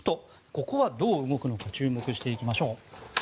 ここはどう動くのか注目していきましょう。